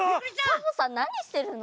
サボさんなにしてるの？